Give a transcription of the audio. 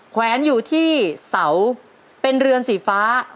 แขวนอยู่ที่เสาเป็นเรือนสีฟ้า